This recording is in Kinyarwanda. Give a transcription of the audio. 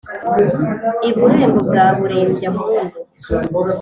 i burembo bwa burembya-mpundu.